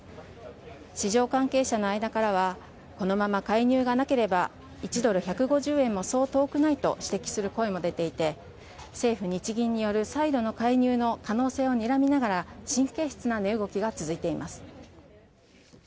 市場関係者の間からはこのまま介入がなければ１ドル１５０円もそう遠くないと指摘する声も出ていて政府・日銀による再度の介入の可能性をにらみながら神経質な値動きが続いています。